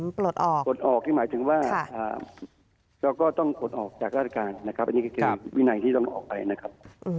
ปลดออกปลดออกนี่หมายถึงว่าเราก็ต้องปลดออกจากราชการนะครับอันนี้ก็คือวินัยที่ต้องออกไปนะครับ